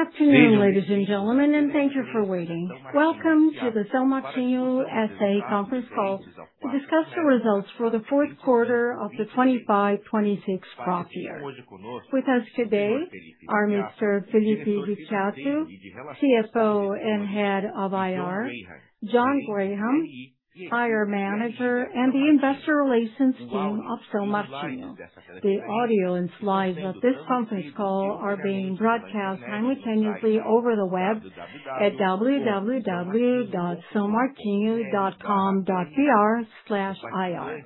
Good afternoon, ladies and gentlemen, and thank you for waiting. Welcome to the São Martinho S.A conference call to discuss the results for the Q4 of the 2025, 2026 crop year. With us today are Mr. Felipe Vicchiato, CFO and Head of IR, John Graham, IR Manager, and the investor relations team of São Martinho. The audio and slides of this conference call are being broadcast simultaneously over the web at www.saomartinho.com.br/ir.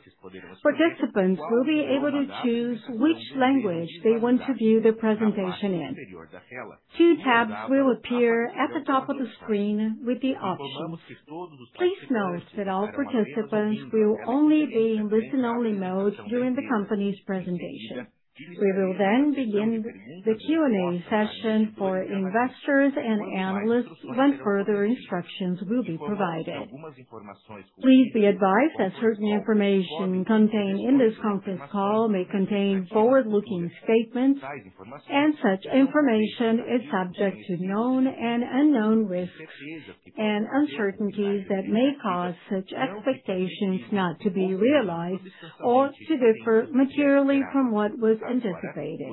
Participants will be able to choose which language they want to view the presentation in. Two tabs will appear at the top of the screen with the options. Please note that all participants will only be in listen-only-mode during the company's presentation. We will then begin the Q&A session for investors and analysts when further instructions will be provided. Please be advised that certain information contained in this conference call may contain forward-looking statements, and such information is subject to known and unknown risks and uncertainties that may cause such expectations not to be realized or to differ materially from what was anticipated.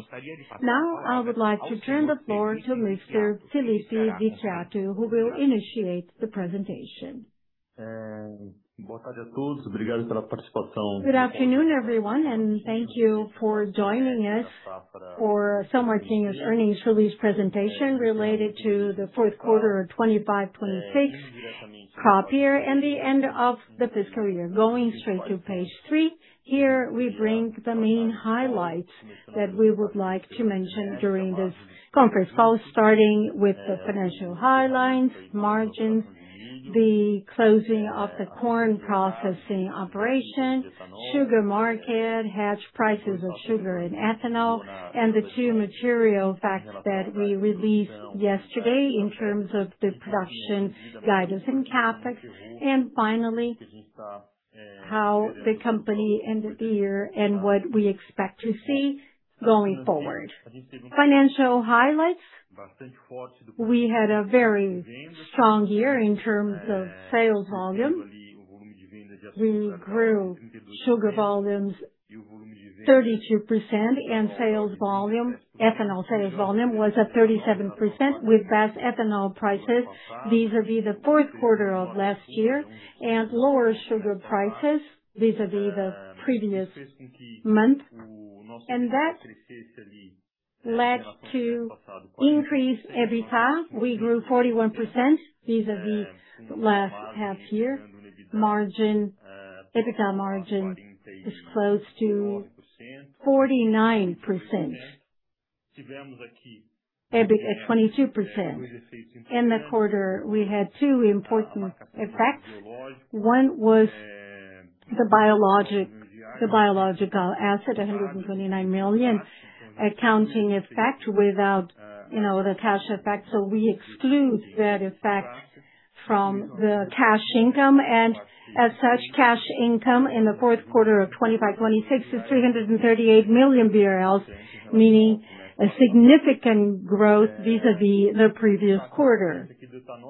Now, I would like to turn the floor to Mr. Felipe Vicchiato who will initiate the presentation. Good afternoon, everyone, and thank you for joining us for São Martinho's earnings release presentation related to the Q4 of the 2025, 2026 crop year and the end of the fiscal year. Going straight to page three, here we bring the main highlights that we would like to mention during this conference call, starting with the financial highlights margin, the closing of the corn processing operation, sugar market, hedge prices of sugar and ethanol, and the two material facts that we released yesterday in terms of the production guidance and CapEx. Finally, how the company ended the year and what we expect to see going forward. Financial highlights. We had a very strong year in terms of sales volume. We grew sugar volumes 32%, and ethanol sales volume was at 37% with gas ethanol prices vis-a-vis the Q4 of last year, and lower sugar prices vis-a-vis the previous month. That led to increase EBITDA. We grew 41% vis-a-vis the last half year. EBITDA margin is close to 49%, EBIT at 22%. In the quarter, we had two important effects. One was the biological asset, 129 million accounting effect without the cash effect. We exclude that effect from the cash income. As such, cash income in the fourth quarter of 2025, 2026 is 338 million BRL, meaning a significant growth vis-a-vis the previous quarter.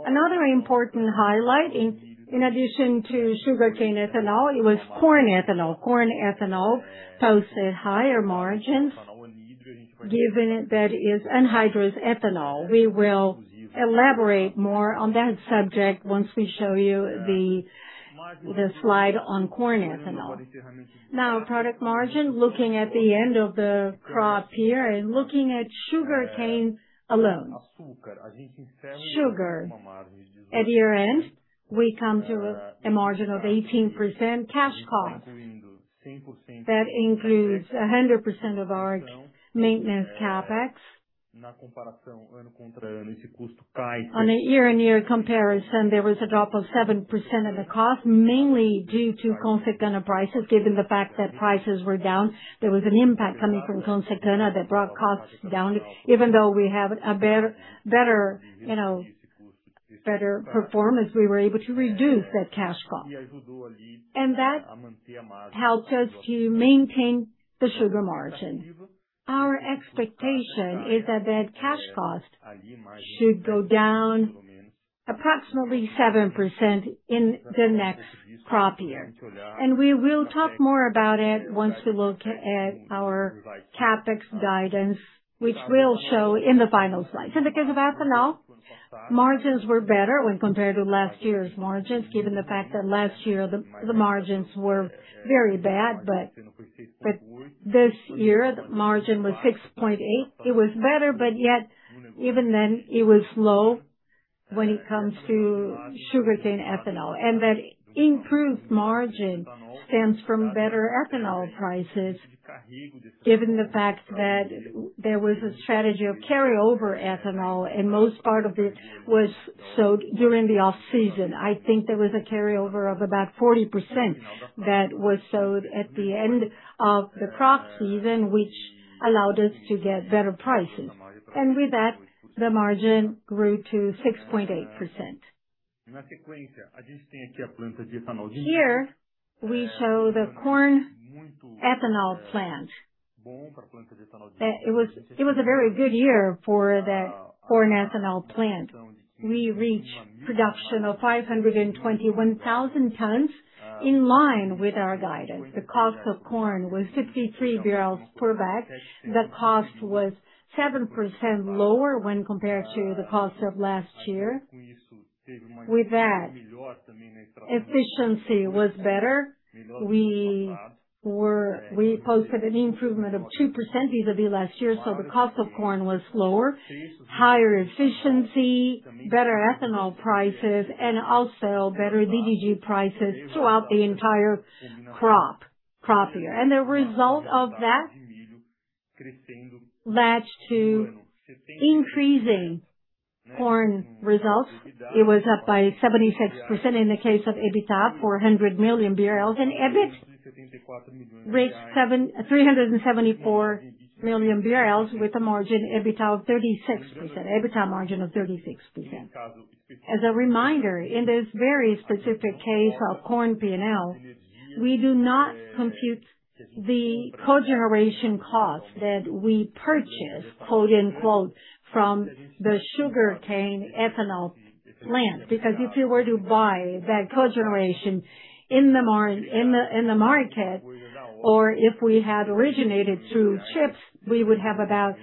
Another important highlight in addition to sugarcane ethanol, it was corn ethanol. Corn ethanol posted higher margins given that it is anhydrous ethanol. We will elaborate more on that subject once we show you the slide on corn ethanol. Now, product margin. Looking at the end of the crop here and looking at sugarcane alone. Sugar. At year-end, we come to a margin of 18% cash cost. That includes 100% of our maintenance CapEx. On a year-on-year comparison, there was a drop of 7% in the cost, mainly due to Consecana prices given the fact that prices were down. There was an impact coming from Consecana that brought costs down. Even though we have a better performance, we were able to reduce that cash cost. That helps us to maintain the sugar margin. Our expectation is that that cash cost should go down approximately 7% in the next crop year. We will talk more about it once we look at our CapEx guidance, which we'll show in the final slide. In the case of ethanol, margins were better when compared to last year's margins, given the fact that last year, the margins were very bad. This year, the margin was 6.8. It was better, but yet even then it was low when it comes to sugarcane ethanol. That improved margin stems from better ethanol prices, given the fact that there was a strategy of carryover ethanol, and most part of it was sowed during the off-season. I think there was a carryover of about 40% that was sowed at the end of the crop season, which allowed us to get better prices. With that, the margin grew to 6.8%. Here we show the corn ethanol plant. It was a very good year for the corn ethanol plant. We reached production of 521,000 tons, in line with our guidance. The cost of corn was 63 BRL per bag. The cost was 7% lower when compared to the cost of last year. With that, efficiency was better. We posted an improvement of 2% vis-à-vis last year, the cost of corn was lower, higher efficiency, better ethanol prices, and also better DDG prices throughout the entire crop year. The result of that led to increasing corn results. It was up by 76% in the case of EBITDA, 400 million BRL, and EBIT reached 374 million BRL, with an EBITDA margin of 36%. As a reminder, in this very specific case of corn P&L, we do not compute the cogeneration cost that we purchase, quote unquote, from the sugarcane ethanol plant, because if you were to buy that cogeneration in the market, or if we had originated through chips, we would have about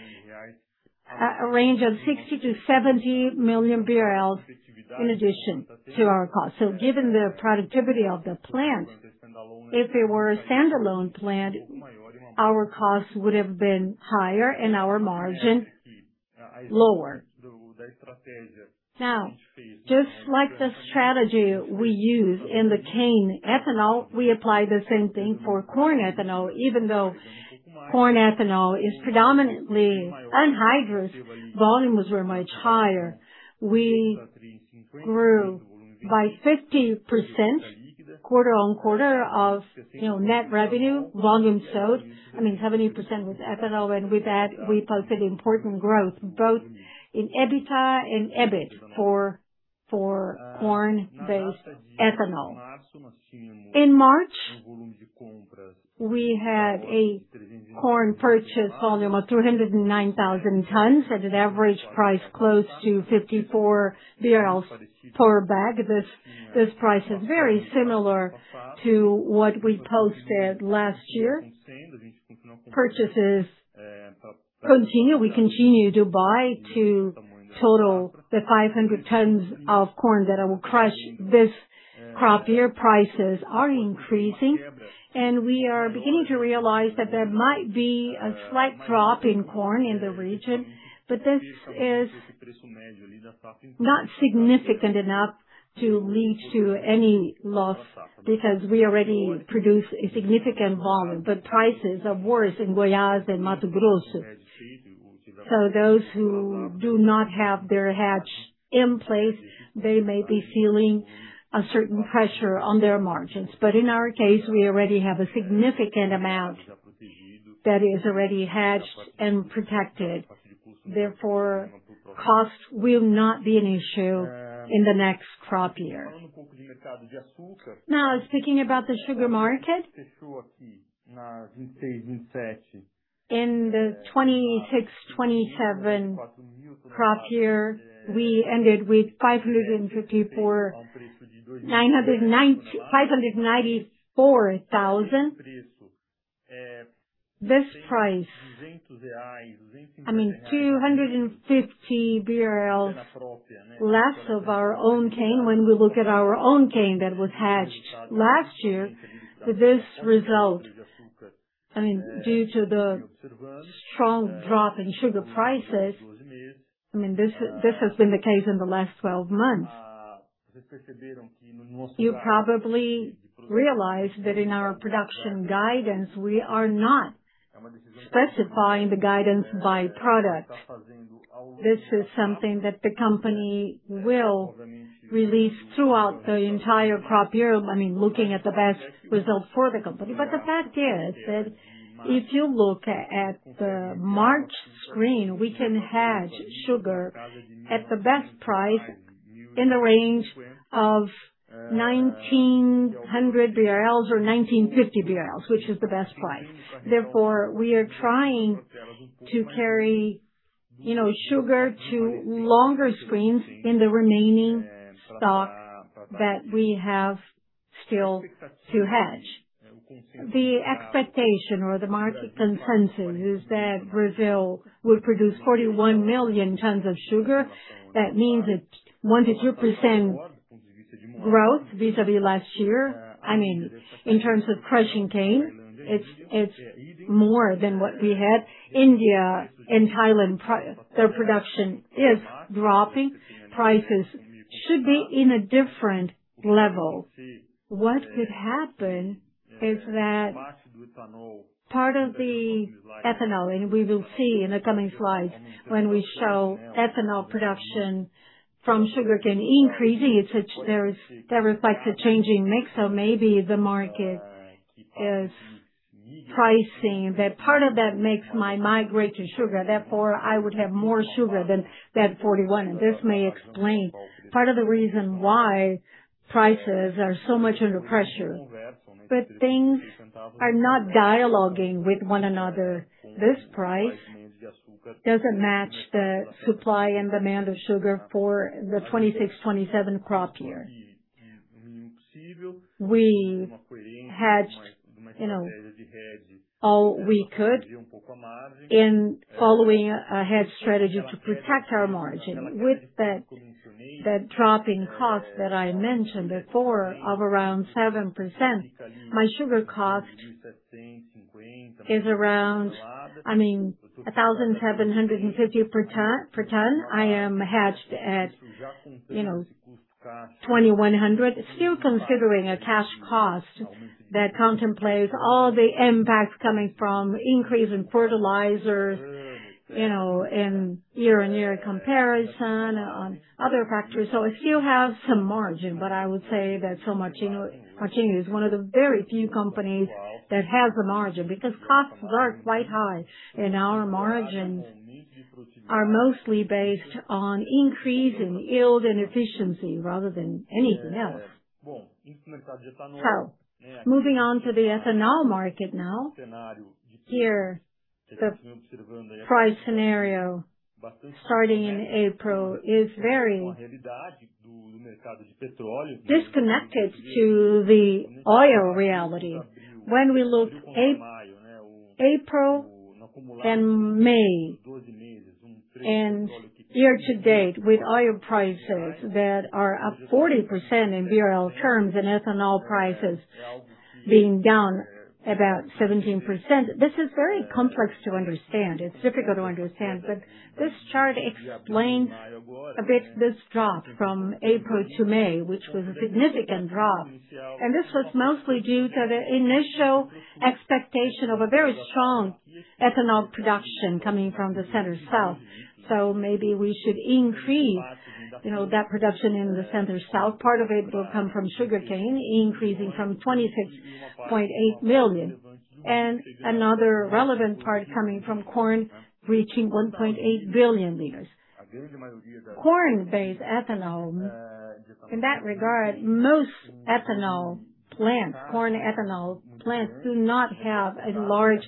a range of 60-70 million BRL in addition to our cost. Given the productivity of the plant, if it were a standalone plant, our costs would have been higher and our margin lower. Just like the strategy we use in the cane ethanol, we apply the same thing for corn ethanol, even though corn ethanol is predominantly anhydrous. Volumes were much higher. We grew by 50% quarter-on-quarter of net revenue, volume sold. I mean, 70% with ethanol, and with that, we posted important growth both in EBITDA and EBIT for corn-based ethanol. In March, we had a corn purchase volume of 309,000 tons at an average price close to 54 per bag. This price is very similar to what we posted last year. Purchases continue. We continue to buy to total the 500 tons of corn that I will crush this crop year. Prices are increasing, we are beginning to realize that there might be a slight drop in corn in the region, this is not significant enough to lead to any loss because we already produce a significant volume. Prices are worse in Goiás and Mato Grosso. Those who do not have their hedge in place, they may be feeling a certain pressure on their margins. In our case, we already have a significant amount that is already hedged and protected. Therefore, cost will not be an issue in the next crop year. Now, speaking about the sugar market. In the 2026/2027 crop year, we ended with 594,000. This price, I mean 250 BRL less of our own cane when we look at our own cane that was hedged last year with this result. Due to the strong drop in sugar prices, this has been the case in the last 12 months. You probably realized that in our production guidance, we are not specifying the guidance by product. This is something that the company will release throughout the entire crop year. I mean, looking at the best result for the company. The fact is that if you look at the March screen, we can hedge sugar at the best price in the range of 1,900 BRL or 1,950 BRL, which is the best price. Therefore, we are trying to carry sugar to longer screens in the remaining stock that we have still to hedge. The expectation or the market consensus is that Brazil will produce 41 million tons of sugar. That means a 1%-2% growth vis-à-vis last year. In terms of crushing cane, it's more than what we had. India and Thailand, their production is dropping. Prices should be in a different level. What could happen is that part of the ethanol, and we will see in the coming slides when we show ethanol production from sugarcane increasing, that reflects a changing mix. Maybe the market is pricing that part of that mix might migrate to sugar. I would have more sugar than that 41. This may explain part of the reason why prices are so much under pressure, but things are not dialoguing with one another. This price doesn't match the supply and demand of sugar for the 2026/2027 crop year. We hedged all we could in following a hedge strategy to protect our margin. With that drop in cost that I mentioned before of around 7%, my sugar cost is around 1,750 per ton. I am hedged at 2,100, still considering a cash cost that contemplates all the impacts coming from increase in fertilizer, in year-on-year comparison on other factors. I still have some margin, but I would say that São Martinho is one of the very few companies that has a margin because costs are quite high, and our margins are mostly based on increase in yield and efficiency rather than anything else. Moving on to the ethanol market now. Here, the price scenario starting in April is very disconnected to the oil reality. When we look April and May, and year-to-date with oil prices that are up 40% in BRL terms and ethanol prices being down about 17%, this is very complex to understand. It's difficult to understand, but this chart explains a bit this drop from April to May, which was a significant drop. This was mostly due to the initial expectation of a very strong ethanol production coming from the Center-South. Maybe we should increase that production in the Center-South. Part of it will come from sugarcane, increasing from 26.8 million. Another relevant part coming from corn, reaching 1.8 billion liters. Corn-based ethanol, in that regard, most ethanol plants, corn ethanol plants, do not have a large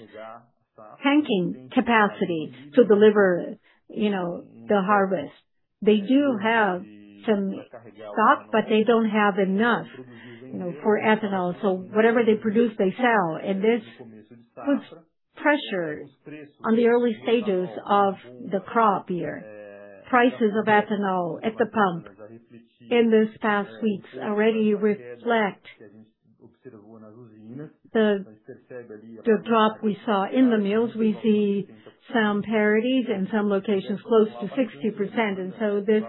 tanking capacity to deliver the harvest. They do have some stock, but they don't have enough for ethanol. Whatever they produce, they sell. This puts pressure on the early stages of the crop year. Prices of ethanol at the pump in these past weeks already reflect the drop we saw in the mills. We see some parities in some locations close to 60%. This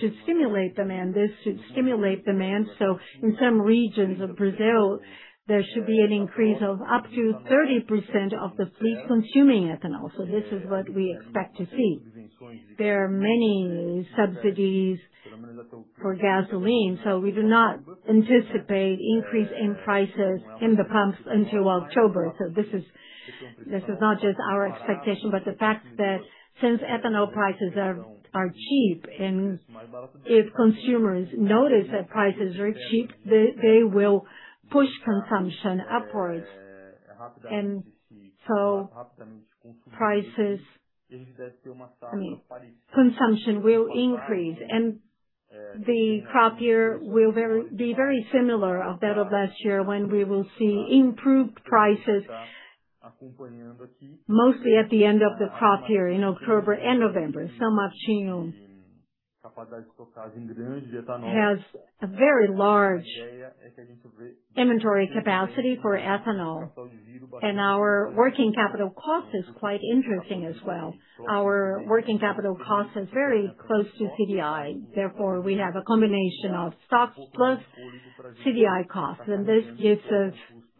should stimulate demand. This should stimulate demand. In some regions of Brazil, there should be an increase of up to 30% of the fleet consuming ethanol. This is what we expect to see. There are many subsidies for gasoline, we do not anticipate increase in prices in the pumps until October. This is not just our expectation, but the fact that since ethanol prices are cheap, and if consumers notice that prices are cheap, they will push consumption upwards. Consumption will increase, and the crop year will be very similar of that of last year when we will see improved prices mostly at the end of the crop year in October and November. São Martinho has a very large inventory capacity for ethanol, and our working capital cost is quite interesting as well. Our working capital cost is very close to CDI; therefore, we have a combination of stocks plus CDI cost, and this gives us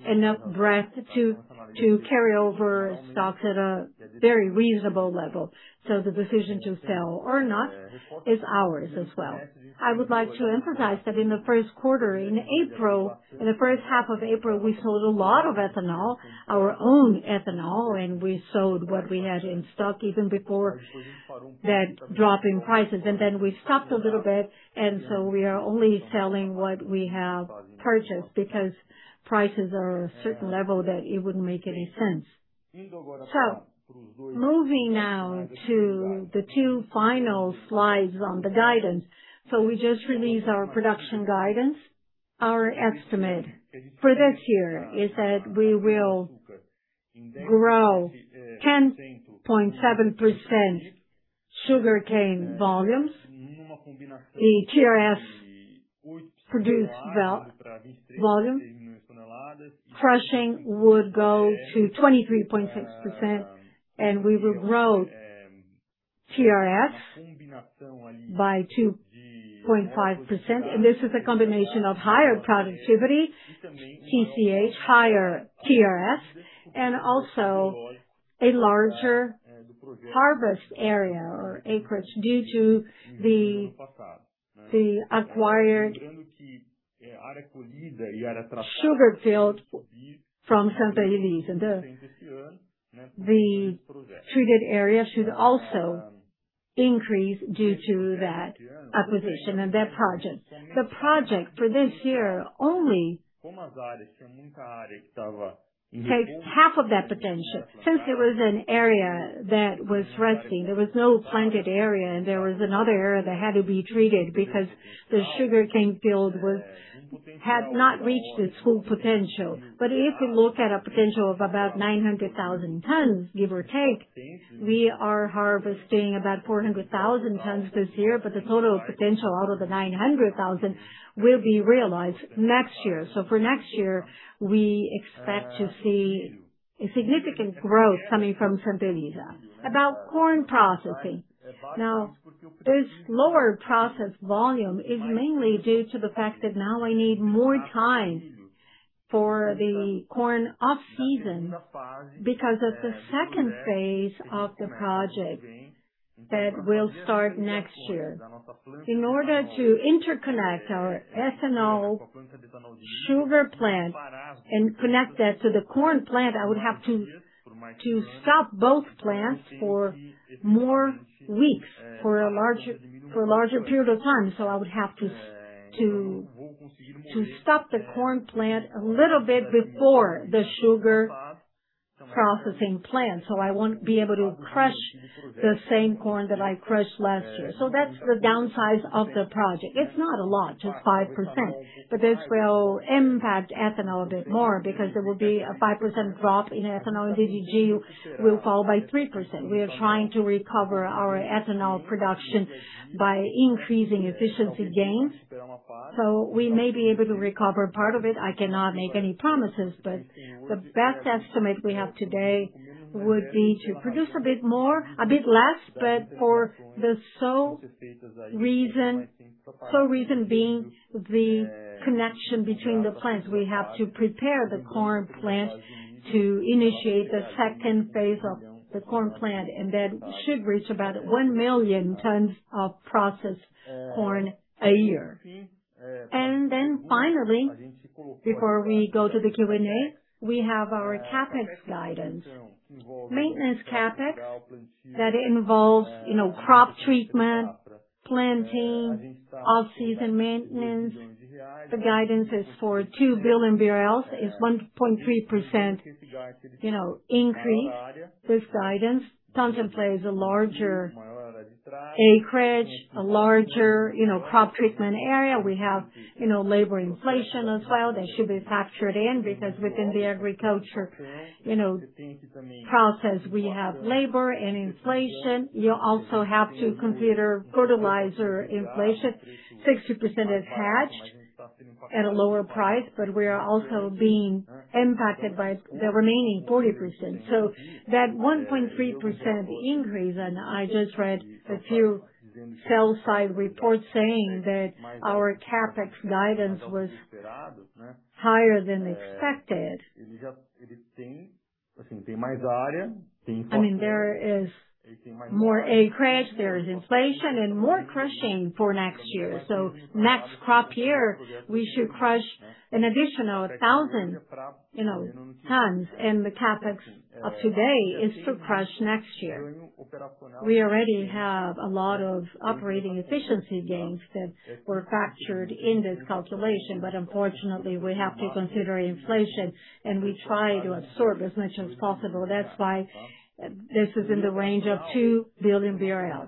enough breadth to carry over stocks at a very reasonable level. The decision to sell or not is ours as well. I would like to emphasize that in the Q1, in April, in the H1 of April, we sold a lot of ethanol, our own ethanol, and we sold what we had in stock even before that drop in prices. Then we stopped a little bit, so we are only selling what we have purchased because prices are a certain level that it wouldn't make any sense. Moving now to the two final slides on the guidance. We just released our production guidance. Our estimate for this year is that we will grow 10.7% sugarcane volumes. The TRS produced volume. Crushing would go to 23.6%, we would grow TRS by 2.5%. This is a combination of higher productivity, TCH, higher TRS, and also a larger harvest area or acreage due to the acquired sugar field from Santa Elisa. The treated area should also increase due to that acquisition and that project. The project for this year only takes half of that potential. Since it was an area that was resting, there was no planted area, and there was another area that had to be treated because the sugarcane field had not reached its full potential. If you look at a potential of about 900,000 tons, give or take, we are harvesting about 400,000 tons this year, but the total potential out of the 900,000 will be realized next year. For next year, we expect to see a significant growth coming from Santa Elisa. About corn processing. Now, this lower process volume is mainly due to the fact that now I need more time for the corn off-season, because of the second phase of the project that will start next year. In order to interconnect our ethanol sugar plant and connect that to the corn plant, I would have to stop both plants for more weeks, for a larger period of time. I would have to stop the corn plant a little bit before the sugar processing plant, so I won't be able to crush the same corn that I crushed last year. That's the downside of the project. It's not a lot, just 5%, but this will impact ethanol a bit more because there will be a 5% drop in ethanol. DDG will fall by 3%. We are trying to recover our ethanol production by increasing efficiency gains. We may be able to recover part of it. I cannot make any promises, but the best estimate we have today would be to produce a bit less, but for the sole reason being the connection between the plants. We have to prepare the corn plant to initiate the second phase of the corn plant, that should reach about one million tons of processed corn a year. Finally, before we go to the Q&A, we have our CapEx guidance. Maintenance CapEx that involves crop treatment, planting, off-season maintenance. The guidance is for 2 billion. It's 1.3% increase. This guidance contemplates a larger acreage, a larger crop treatment area. We have labor inflation as well that should be factored in because within the agriculture process, we have labor and inflation. You also have to consider fertilizer inflation. 60% is hedged at a lower price, but we are also being impacted by the remaining 40%. That 1.3% increase, and I just read a few sell-side reports saying that our CapEx guidance was higher than expected. There is more acreage, there is inflation and more crushing for next year. Next crop year, we should crush an additional 1,000 tons, and the CapEx of today is to crush next year. We already have a lot of operating efficiency gains that were factored in this calculation, but unfortunately, we have to consider inflation, and we try to absorb as much as possible. That's why this is in the range of 2 billion BRL.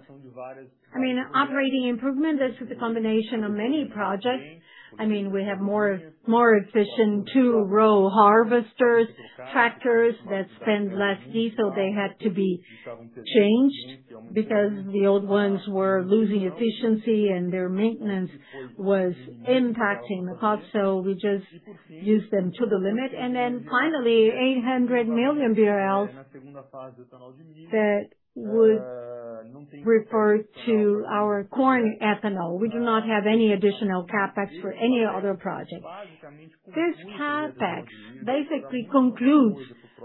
Operating improvement, this is the combination of many projects. We have more efficient two-row harvesters, tractors that spend less diesel. They had to be changed because the old ones were losing efficiency and their maintenance was impacting the crop, so we just used them to the limit. Finally, 800 million BRL that would refer to our corn ethanol. We do not have any additional CapEx for any other project. This CapEx basically concludes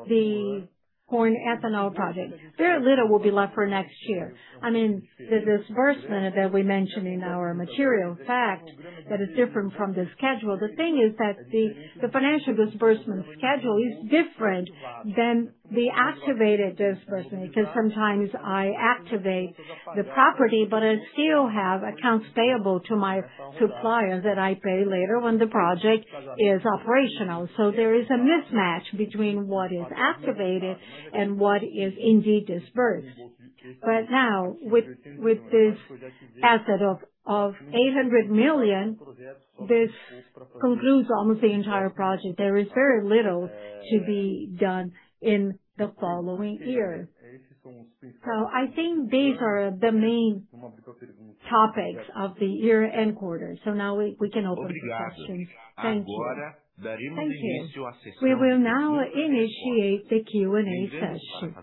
the corn ethanol project. Very little will be left for next year. The disbursement that we mentioned in our material fact, that is different from the schedule. The thing is that the financial disbursement schedule is different than the activated disbursement, because sometimes I activate the property, but I still have accounts payable to my suppliers that I pay later when the project is operational. There is a mismatch between what is activated and what is indeed disbursed. Now, with this asset of 800 million, this concludes almost the entire project. There is very little to be done in the following years. I think these are the main topics of the year and quarter. Now we can open for questions. Thank you. Thank you. We will now initiate the Q&A session.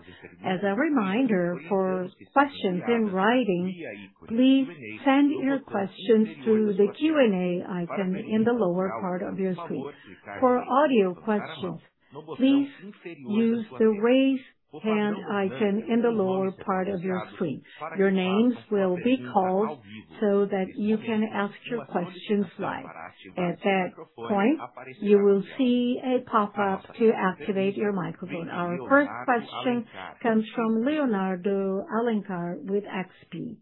As a reminder, for questions in writing, please send your questions through the Q&A icon in the lower part of your screen. For audio questions, please use the raise hand icon in the lower part of your screen. Your names will be called so that you can ask your questions live. At that point, you will see a pop-up to activate your microphone. Our first question comes from Leonardo Alencar with XP.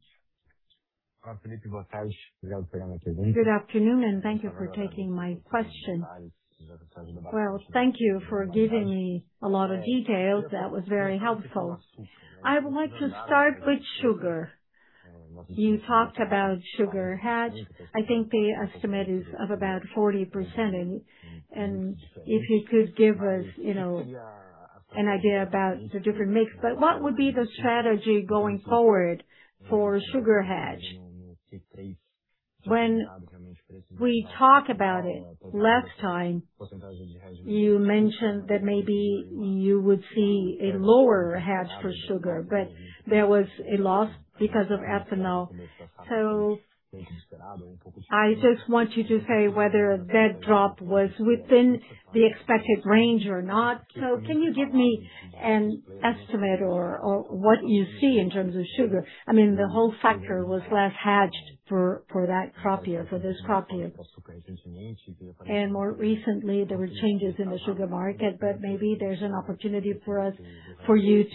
Good afternoon and thank you for taking my question. Thank you for giving me a lot of details. That was very helpful. I would like to start with sugar. You talked about sugar hedge. I think the estimate is of about 40%, and if you could give us an idea about the different mix. What would be the strategy going forward for sugar hedge? When we talked about it last time, you mentioned that maybe you would see a lower hedge for sugar, but there was a loss because of ethanol. I just want you to say whether that drop was within the expected range or not. Can you give me an estimate or what you see in terms of sugar? I mean, the whole factor was less hedged for this crop year. More recently, there were changes in the sugar market, but maybe there's an opportunity for you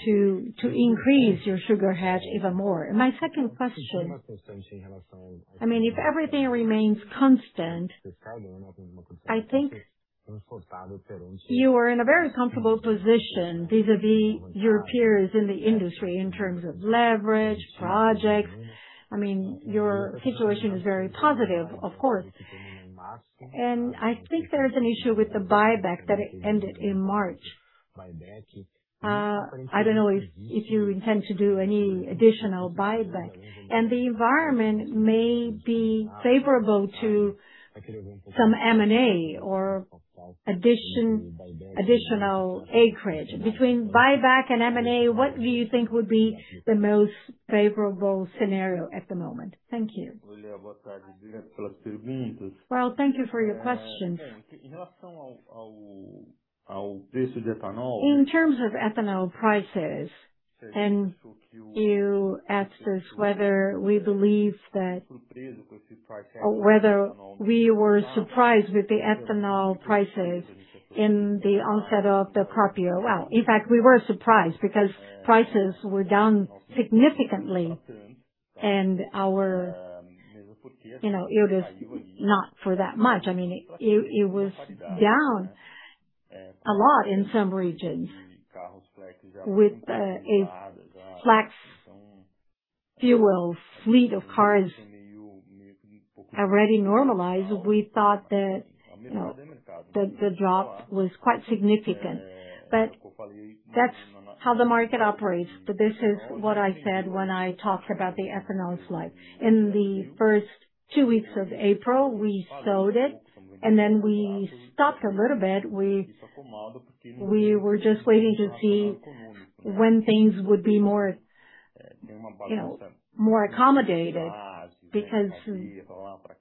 to increase your sugar hedge even more. My second question, if everything remains constant, I think you are in a very comfortable position vis-a-vis your peers in the industry in terms of leverage, projects. I mean, your situation is very positive, of course. I think there's an issue with the buyback that ended in March. I don't know if you intend to do any additional buyback. The environment may be favorable to some M&A or additional acreage. Between buyback and M&A, what do you think would be the most favorable scenario at the moment? Thank you. Thank you for your question. In terms of ethanol prices, and you asked us whether we were surprised with the ethanol prices in the onset of the crop year. Well, in fact, we were surprised because prices were down significantly, and it was not for that much. It was down a lot in some regions. With a flex fuel fleet of cars already normalized, we thought that the drop was quite significant. That's how the market operates. This is what I said when I talked about the ethanol slide. In the first two weeks of April, we sold it, and then we stopped a little bit. We were just waiting to see when things would be more accommodated, because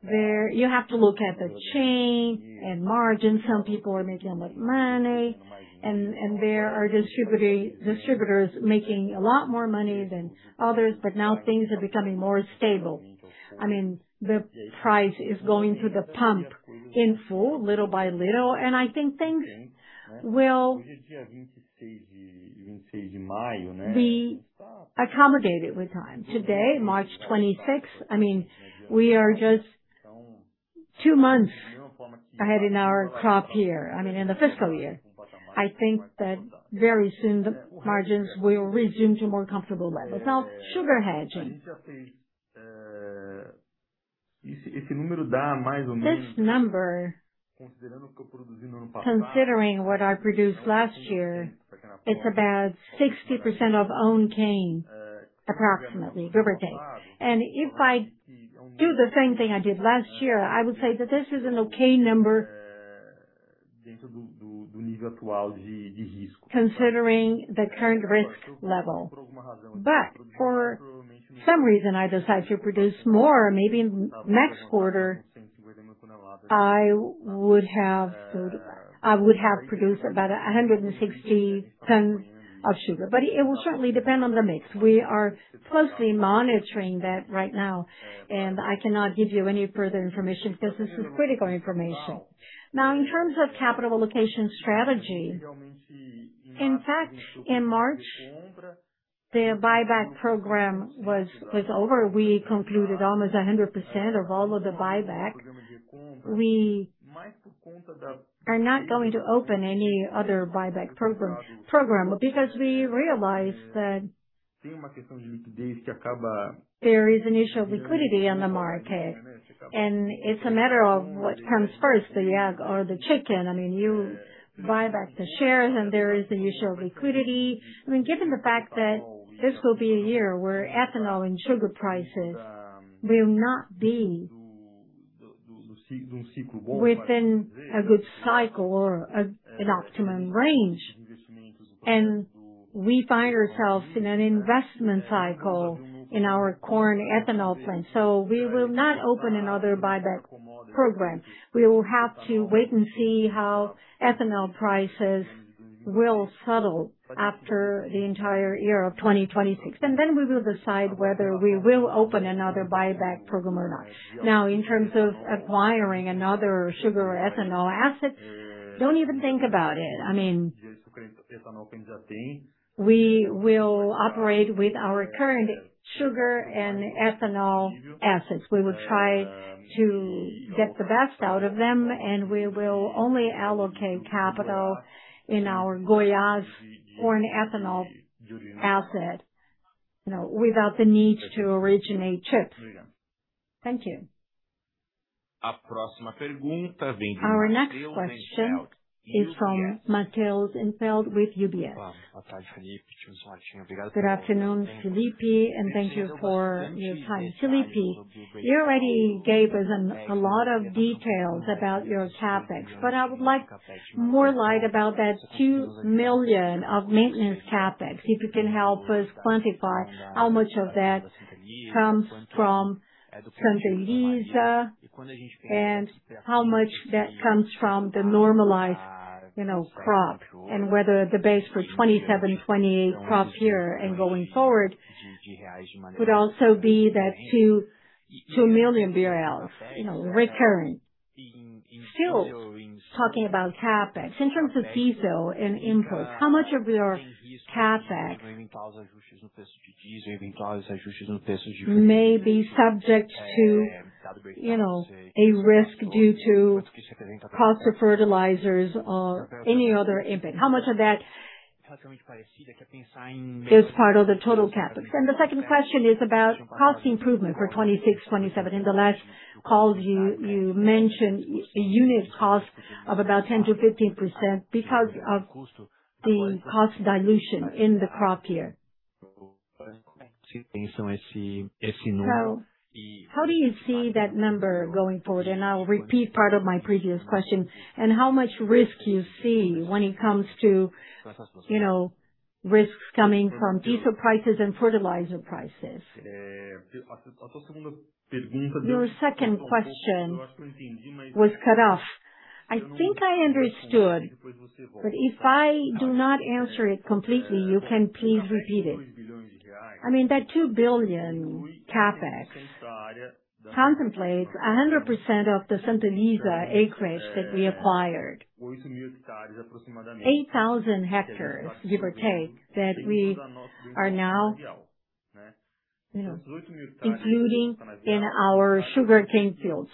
there you have to look at the chain and margin. Some people are making a lot of money, and there are distributors making a lot more money than others, but now things are becoming more stable. I mean, the price is going through the pump in full, little by little, and I think things will be accommodated with time. Today, March 26th, we are just two months ahead in our crop year, in the fiscal year. I think that very soon the margins will resume to more comfortable levels. Sugar hedging. This number, considering what I produced last year, it's about 60% of own cane, approximately, delivered cane. If I do the same thing I did last year, I will say that this is an okay number considering the current risk level. For some reason, I decide to produce more, maybe next quarter, I would have produced about 160 tons of sugar. It will certainly depend on the mix. We are closely monitoring that right now, and I cannot give you any further information because this is critical information. In terms of capital allocation strategy, in fact, in March, the buyback program was over. We concluded almost 100% of all of the buyback. We are not going to open any other buyback program because we realized that there is an issue of liquidity on the market, and it's a matter of what comes first, the egg or the chicken. I mean, you buy back the shares, and there is an issue of liquidity. Given the fact that this will be a year where ethanol and sugar prices will not be within a good cycle or an optimum range, and we find ourselves in an investment cycle in our corn ethanol plant. We will not open another buyback program. We will have to wait and see how ethanol prices will settle after the entire year of 2026. We will decide whether we will open another buyback program or not. Now, in terms of acquiring another sugar ethanol asset, don't even think about it. I mean, we will operate with our current sugar and ethanol assets. We will try to get the best out of them. We will only allocate capital in our Goiás corn ethanol asset without the need to originate chips. Thank you. Our next question is from Matheus Enfeldt with UBS. Good afternoon, Felipe. Thank you for your time. Felipe, you already gave us a lot of details about your CapEx. I would like more light about that 2 million of maintenance CapEx. If you can help us quantify how much of that comes from Santa Elisa and how much that comes from the normalized crop, and whether the base for 2027, 2028 crop year and going forward would also be that BRL 2 million recurring. Still talking about CapEx, in terms of diesel and inputs, how much of your CapEx may be subject to a risk due to cost of fertilizers or any other input. How much of that is part of the total CapEx? The second question is about cost improvement for 2026, 2027. In the last calls, you mentioned a unit cost of about 10%-15% because of the cost dilution in the crop year. How do you see that number going forward? I'll repeat part of my previous question, and how much risk you see when it comes to risks coming from diesel prices and fertilizer prices. Your second question was cut off. I think I understood, but if I do not answer it completely, you can please repeat it. That 2 billion CapEx contemplates 100% of the Santa Elisa acreage that we acquired. 8,000 hectares, give or take, that we are now including in our sugarcane field.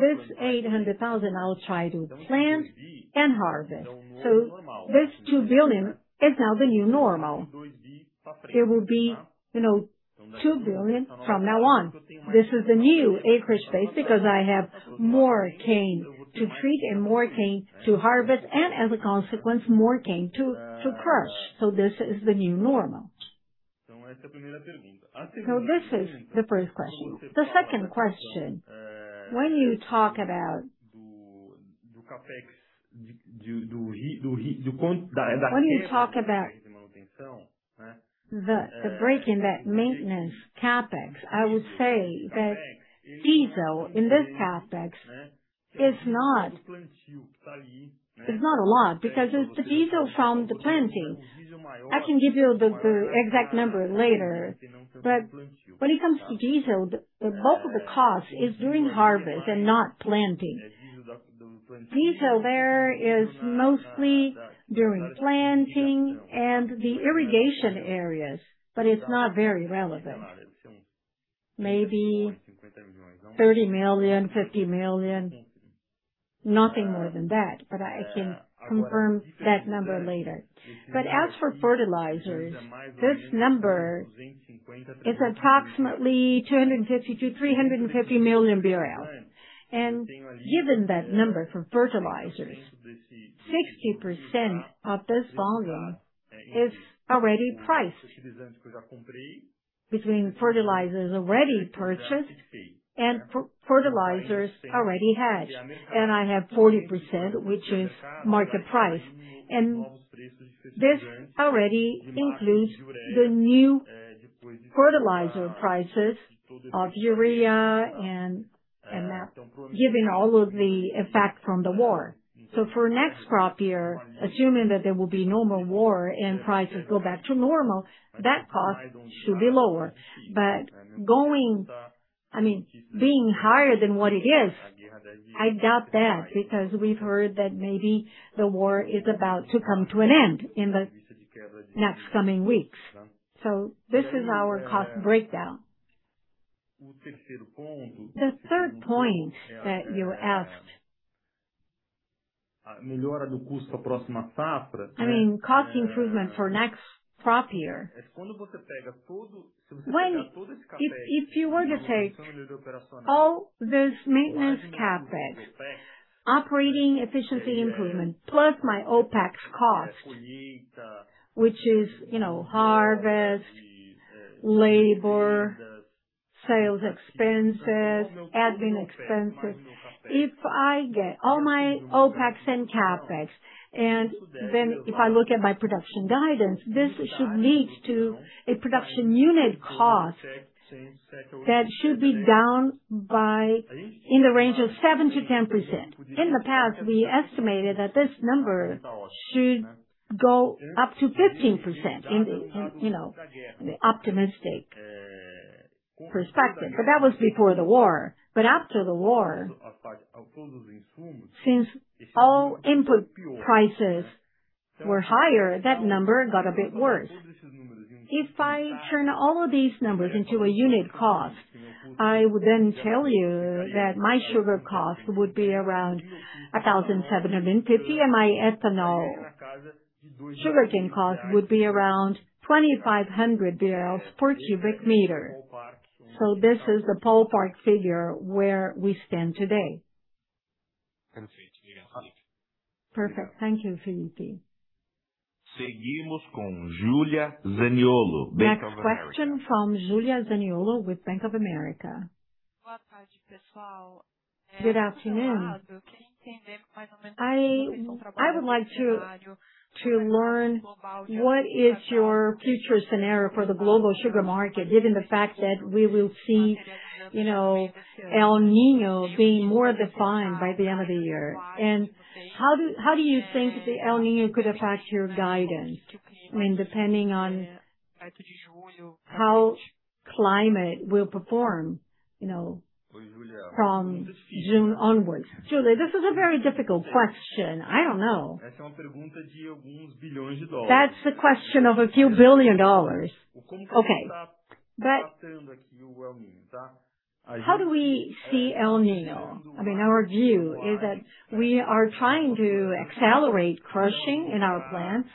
This 800,000 I'll try to plant and harvest. This 2 billion is now the new normal. It will be 2 billion from now on. This is the new acreage base because I have more cane to treat and more cane to harvest and, as a consequence, more cane to crush. This is the new normal. This is the first question. The second question, when you talk about the break in that maintenance CapEx, I would say that diesel in this CapEx is not a lot because it's the diesel from the planting. I can give you the exact number later, but when it comes to diesel, the bulk of the cost is during harvest and not planting. Diesel there is mostly during planting and the irrigation areas, but it's not very relevant. Maybe 30 million, 50 million, nothing more than that. I can confirm that number later. As for fertilizers, this number is approximately 250- 350 million BRL. Given that number for fertilizers, 60% of this volume is already priced between fertilizers already purchased and fertilizers already had. I have 40%, which is market price. This already includes the new fertilizer prices of urea and that, given all of the effect from the war. For next crop year, assuming that there will be no more war and prices go back to normal, that cost should be lower. Being higher than what it is, I doubt that because we've heard that maybe the war is about to come to an end in the next coming weeks. This is our cost breakdown. The third point that you asked, cost improvement for next crop year. If you were to take all this maintenance CapEx, operating efficiency improvement, plus my OPEX cost, which is harvest, labor, sales expenses, admin expenses. If I get all my OPEX and CapEx, then if I look at my production guidance, this should lead to a production unit cost that should be down in the range of 7%-10%. In the past, we estimated that this number should go up to 15% in the optimistic perspective. That was before the war. After the war, since all input prices were higher, that number got a bit worse. If I turn all of these numbers into a unit cost, I will then tell you that my sugar cost would be around 1,750, and my ethanol sugarcane cost would be around 2,500 barrels per cubic meter. This is the ballpark figure where we stand today. Perfect. Thank you, Felipe Vicchiato. Next question from Julia Zeniolo with Bank of America. Good afternoon. I would like to learn what is your future scenario for the global sugar market, given the fact that we will see El Niño being more defined by the end of the year. How do you think the El Niño could affect your guidance, depending on how climate will perform from June onwards? Julia, this is a very difficult question. I don't know. That's the question of a few billion BRL. Okay. How do we see El Niño? Our view is that we are trying to accelerate crushing in our plants.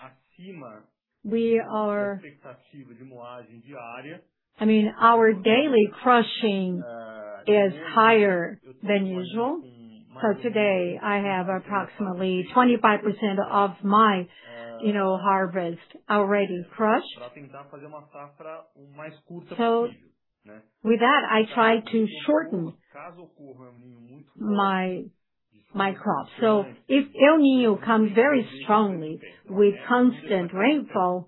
Our daily crushing is higher than usual. For today, I have approximately 25% of my harvest already crushed. With that, I try to shorten my crop. If El Niño comes very strongly with constant rainfall,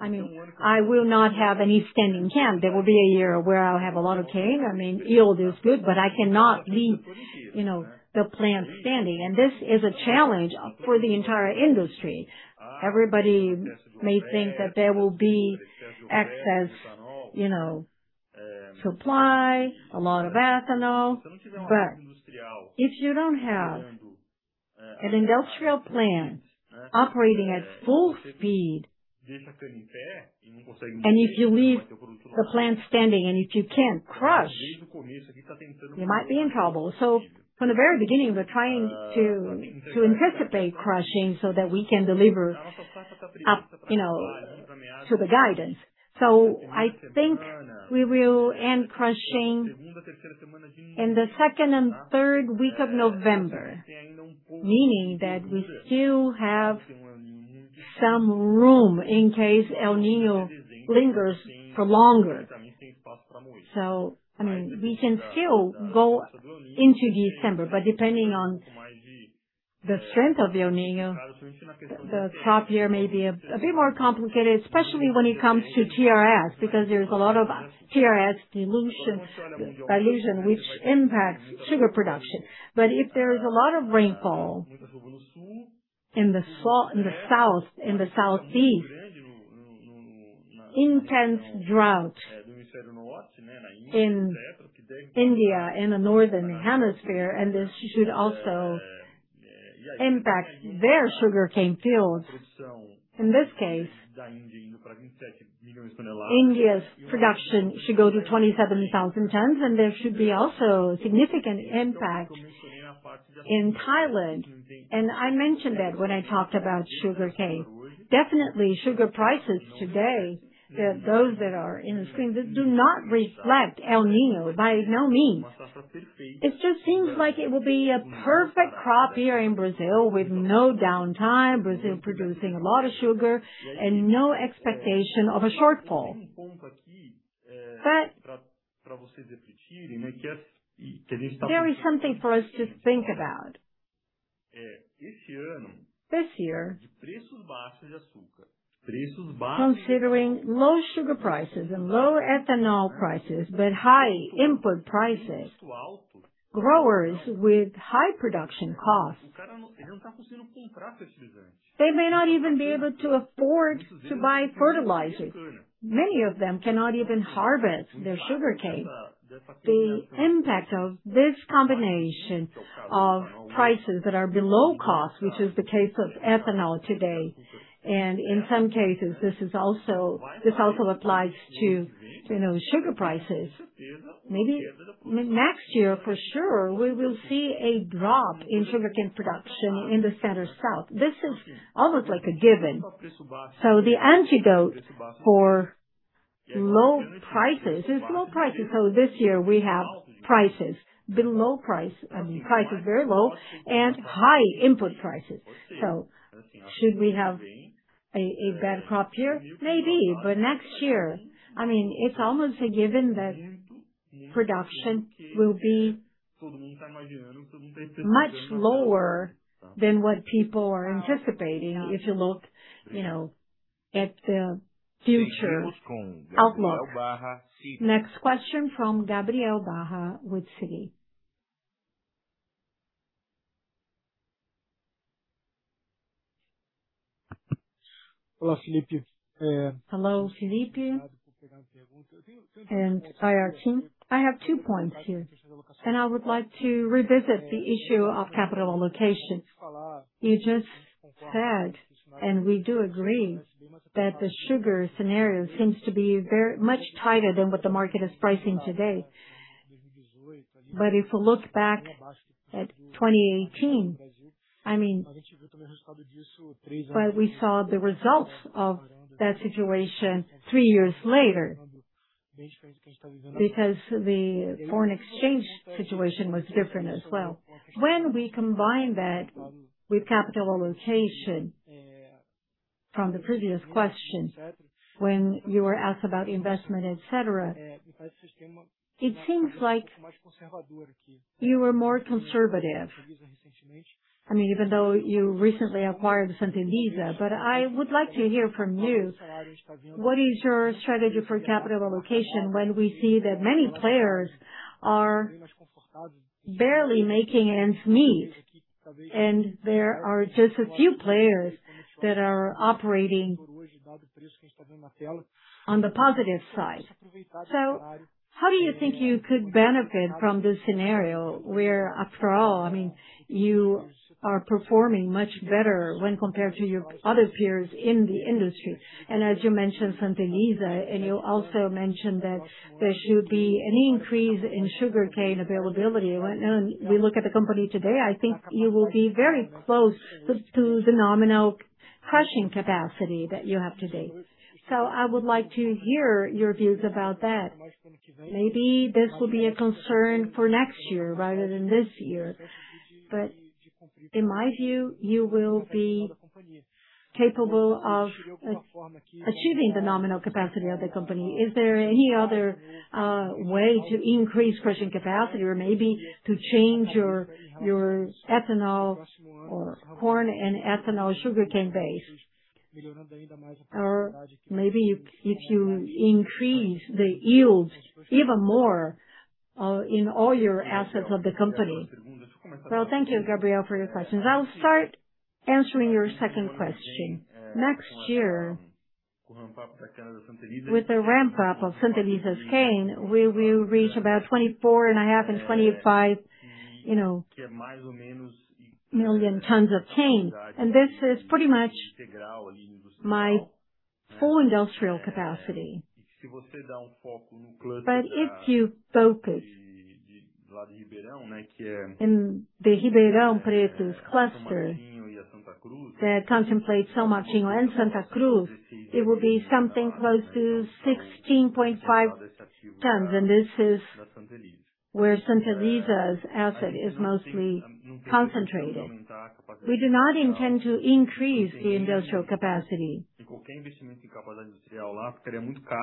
I will not have any standing cane. There will be a year where I'll have a lot of cane. Yield is good, but I cannot leave the plant standing. This is a challenge for the entire industry. Everybody may think that there will be excess supply, a lot of ethanol. If you don't have an industrial plant operating at full speed, and if you leave the plant standing and if you can't crush, you might be in trouble. From the very beginning, we're trying to anticipate crushing so that we can deliver up to the guidance. I think we will end crushing in the second and third week of November, meaning that we still have some room in case El Niño lingers for longer. We can still go into December, but depending on the strength of the El Niño, the crop year may be a bit more complicated, especially when it comes to TRS, because there's a lot of TRS dilution, which impacts sugar production. If there is a lot of rainfall in the South and the Southeast, intense drought in India and the Northern Hemisphere, and this should also impact their sugarcane fields. In this case, India's production should go to 27,000 tons, and there should be also a significant impact in Thailand. I mentioned that when I talked about sugarcane. Definitely, sugar prices today, those that are in the screen, this do not reflect El Niño, by no means. It just seems like it will be a perfect crop year in Brazil with no downtime, Brazil producing a lot of sugar and no expectation of a shortfall. There is something for us to think about. This year, considering low sugar prices and lower ethanol prices, but high input prices, growers with high production costs, they may not even be able to afford to buy fertilizers. Many of them cannot even harvest their sugarcane. The impact of this combination of prices that are below cost, which is the case of ethanol today, and in some cases, this also applies to sugar prices. Maybe next year, for sure, we will see a drop in sugarcane production in the Center-South. This is almost like a given. The antidote for low prices is low prices. This year we have prices very low and high input prices. Should we have a bad crop year? Maybe. Next year, it's almost a given that production will be much lower than what people are anticipating, if you look at the future outlook. Next question from Gabriel Barra with Citi. Hello, Felipe. IR team. I have two points here, and I would like to revisit the issue of capital allocation. You just said, and we do agree, that the sugar scenario seems to be much tighter than what the market is pricing today. If we look back at 2018, we saw the results of that situation three years later because the foreign exchange situation was different as well. When we combine that with capital allocation from the previous question, when you were asked about investment, et cetera, it seems like you were more conservative. Even though you recently acquired Santa Elisa. I would like to hear from you, what is your strategy for capital allocation when we see that many players are barely making ends meet, and there are just a few players that are operating on the positive side? How do you think you could benefit from this scenario where, after all, you are performing much better when compared to your other peers in the industry? As you mentioned, Santa Elisa, and you also mentioned that there should be an increase in sugarcane availability. When we look at the company today, I think you will be very close to the nominal crushing capacity that you have today. I would like to hear your views about that. Maybe this will be a concern for next year rather than this year. In my view, you will be capable of achieving the nominal capacity of the company. Is there any other way to increase crushing capacity or maybe to change your ethanol or corn ethanol sugarcane base? Or maybe if you increase the yields even more, in all your assets of the company. Thank you, Gabriel, for your questions. I'll start answering your second question. Next year, with the ramp-up of Santa Elisa's cane, we will reach about 24.5 million and 25 million tons of cane, and this is pretty much my full industrial capacity. If you focus in the Ribeirão Preto's cluster that contemplates São Martinho and Usina Santa Cruz, it will be something close to 16.5 tons, and this is where Santa Elisa's asset is mostly concentrated. We do not intend to increase the industrial capacity.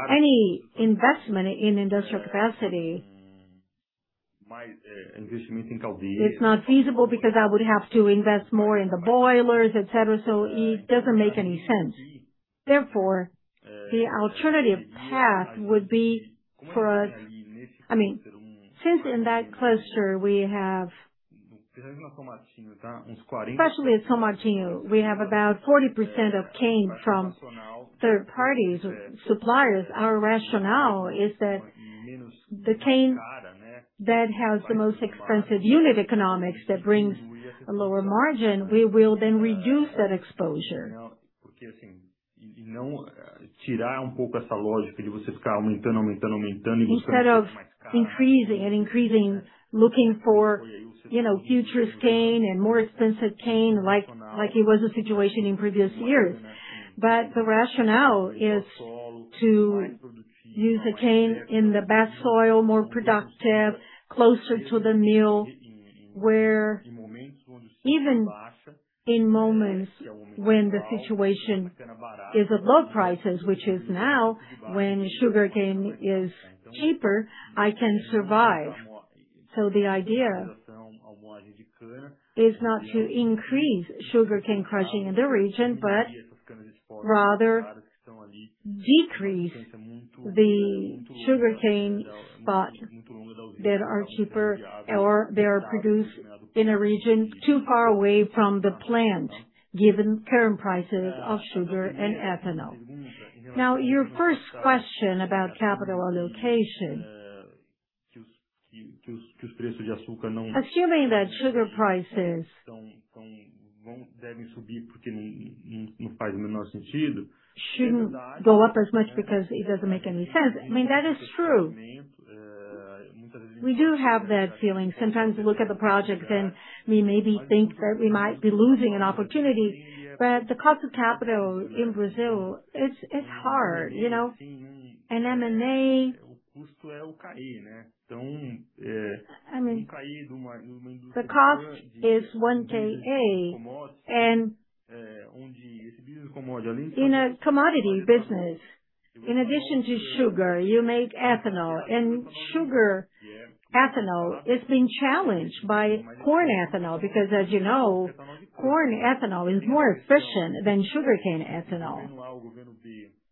Any investment in industrial capacity is not feasible because I would have to invest more in the boilers, et cetera, so it doesn't make any sense. Therefore, the alternative path would be since in that cluster, especially at São Martinho, we have about 40% of cane from third parties or suppliers. Our rationale is that the cane that has the most expensive unit economics that brings a lower margin, we will then reduce that exposure. Instead of increasing, looking for future cane and more expensive cane, like it was the situation in previous years. The rationale is to use the cane in the best soil, more productive, closer to the mill, where even in moments when the situation is above prices, which is now when sugarcane is cheaper, I can survive. The idea is not to increase sugarcane crushing in the region, but rather decrease the sugarcane spots that are cheaper or that are produced in a region too far away from the plant, given current prices of sugar and ethanol. Your first question about capital allocation. Assuming that sugar prices shouldn't go up as much because it doesn't make any sense. That is true. We do have that feeling. Sometimes we look at the projects and we maybe think that we might be losing an opportunity. The cost of capital in Brazil, it's hard. An M&A, the cost is 1KA, and in a commodity business, in addition to sugar, you make ethanol. Sugar ethanol is being challenged by corn ethanol because, as you know, corn ethanol is more efficient than sugarcane ethanol.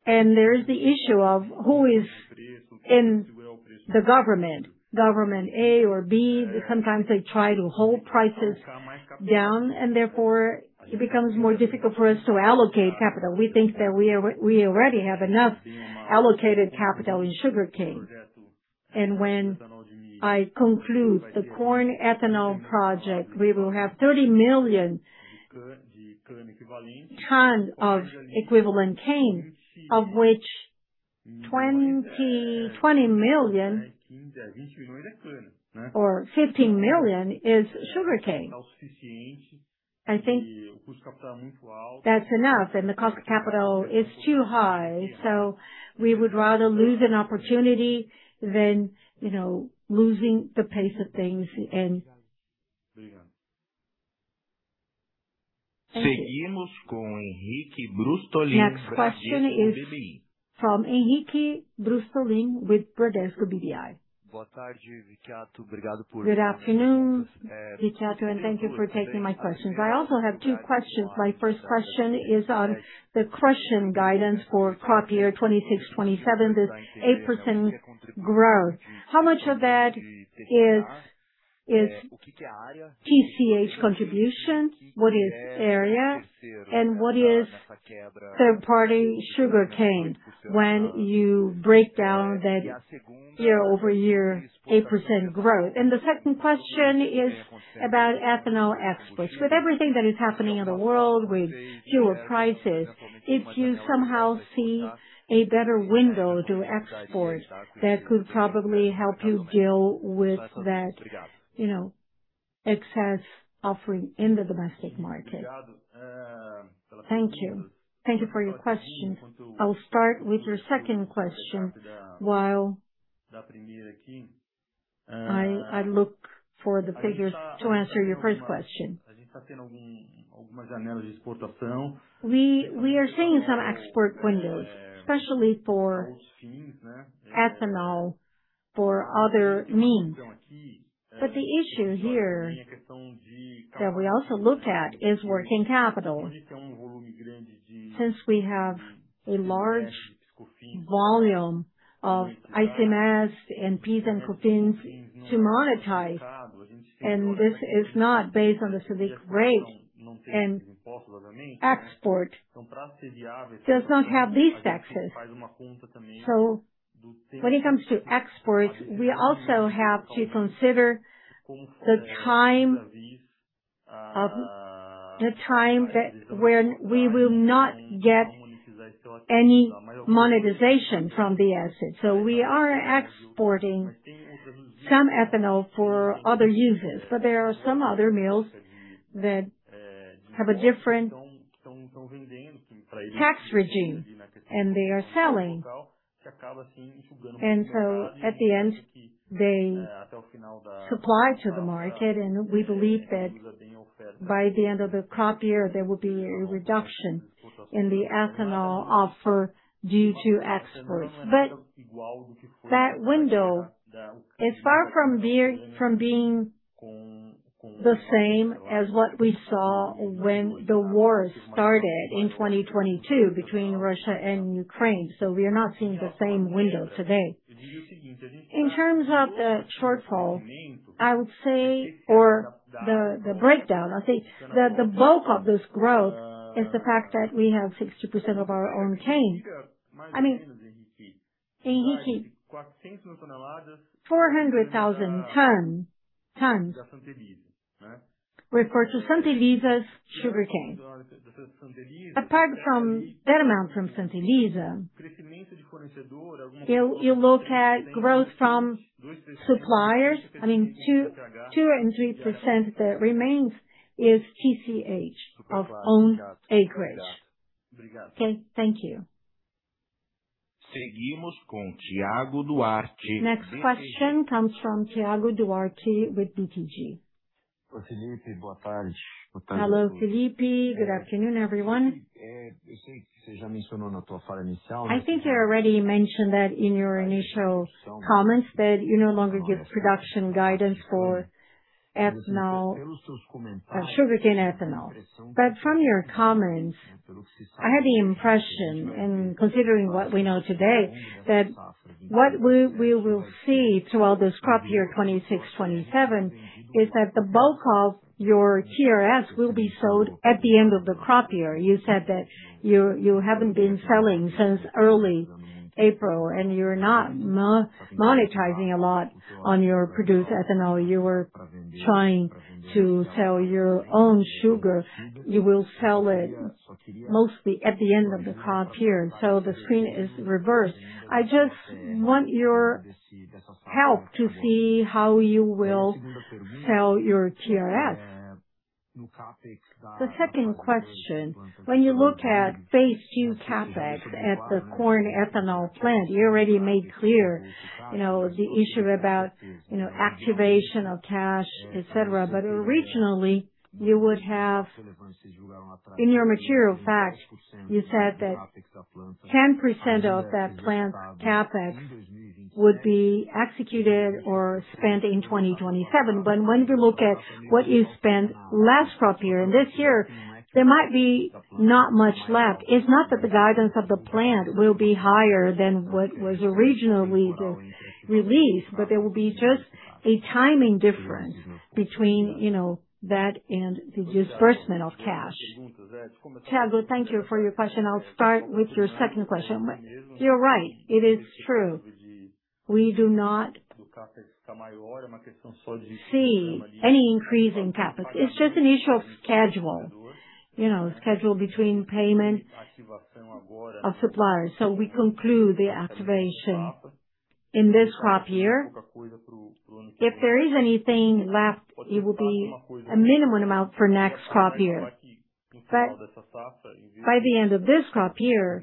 There is the issue of who is in the government A or B, sometimes they try to hold prices down, and therefore it becomes more difficult for us to allocate capital. We think that we already have enough allocated capital in sugarcane. When I conclude the corn ethanol project, we will have 30 million tons of equivalent cane, of which 20 million or 15 million is sugarcane. I think that's enough, the cost of capital is too high. We would rather lose an opportunity than losing the pace of things. Next question is from Henrique Brustolin with Bradesco BBI. Good afternoon and thank you for taking my questions. I also have two questions. My first question is on the question guidance for crop year 2026, 2027, this 8% growth. How much of that is TCH contribution? What is area? What is third-party sugarcane when you break down that year-over-year 8% growth? The second question is about ethanol exports. With everything that is happening in the world with fuel prices, if you somehow see a better window to export, that could probably help you deal with that excess offering in the domestic market. Thank you. Thank you for your question. I'll start with your second question while I look for the figures to answer your first question. We are seeing some export windows, especially for ethanol for other means. The issue here that we also looked at is working capital. Since we have a large volume of ICMS and PIS/Cofins to monetize, and this is not based on the CDI rate, and export does not have these taxes. When it comes to exports, we also have to consider the time when we will not get any monetization from the asset. We are exporting some ethanol for other uses, but there are some other mills that have a different tax regime, and they are selling. At the end, they supply to the market, and we believe that by the end of the crop year, there will be a reduction in the ethanol offer due to exports. But that window is far from being the same as what we saw when the war started in 2022 between Russia and Ukraine. We are not seeing the same window today. In terms of the shortfall, I would say, or the breakdown, I think that the bulk of this growth is the fact that we have 60% of our own cane. Henrique, 400,000 ton refers to Santa Elisa's sugarcane. Apart from that amount from Santa Elisa, you look at growth from suppliers, 2% and 3% that remains is TCH of owned acreage. Okay. Thank you. Next question comes from Thiago Duarte with BTG. Hello, Felipe. Good afternoon, everyone. I think you already mentioned that in your initial comments that you no longer give production guidance for sugarcane ethanol. From your comments, I had the impression, and considering what we know today, that what we will see throughout this crop year 26/27 is that the bulk of your TRS will be sold at the end of the crop year. You said that you haven't been selling since early April, and you're not monetizing a lot on your produced ethanol. You were trying to sell your own sugar. You will sell it mostly at the end of the crop year. The screen is reversed. I just want your help to see how you will sell your TRS. The second question, when you look at phase II CapEx at the corn ethanol plant, you already made clear the issue about activation of cash, et cetera. Originally, you would have, in your material fact, you said that 10% of that plant's CapEx would be executed or spent in 2027. When we look at what you spent last crop year and this year, there might be not much left. It's not that the guidance of the plan will be higher than what was originally released, but there will be just a timing difference between that and the disbursement of cash. Thiago, thank you for your question. I'll start with your second question. You're right. It is true. We do not see any increase in capacity. It's just an issue of schedule between payment of suppliers. We conclude the activation in this crop year. If there is anything left, it will be a minimum amount for next crop year. By the end of this crop year,